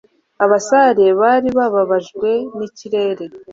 Abasare bari bababajwe nikirere.